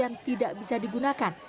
yang tidak bisa digunakan